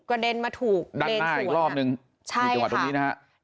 กระเด็นมาถูกดังหน้าอีกรอบหนึ่งใช่ค่ะอยู่จังหวะตรงนี้นะฮะ